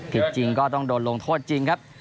ผิดจริงก็ต้องโดนลงโทษจริงครับ